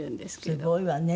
すごいわね。